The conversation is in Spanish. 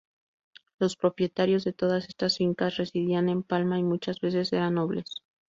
Los propietarios de todas estas fincas residían en Palma y muchas veces eran nobles.